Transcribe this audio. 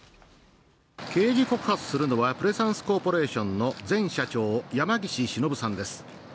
刑事告発するのはプレサンスコーポレーションの前社長山岸忍さんです